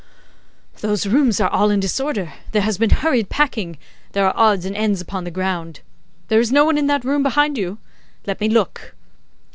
"Those rooms are all in disorder, there has been hurried packing, there are odds and ends upon the ground. There is no one in that room behind you! Let me look."